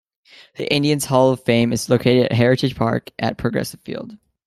The Indians Hall of Fame is located at Heritage Park at Progressive Field.